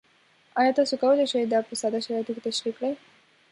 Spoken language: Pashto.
ایا تاسو کولی شئ دا په ساده شرایطو کې تشریح کړئ؟